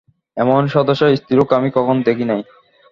এমন সদাশয় স্ত্রীলোক আমি কখন দেখি নাই।